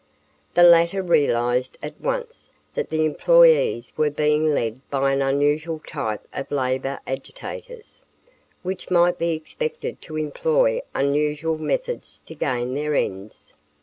The latter realized at once that the employees were being led by an unusual type of labor agitators, who might be expected to employ unusual methods to gain their ends.